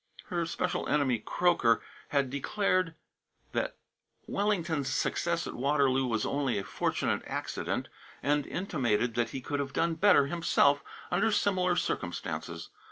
Her special enemy, Croker, had declared that Wellington's success at Waterloo was only a fortunate accident, and intimated that he could have done better himself, under similar circumstances.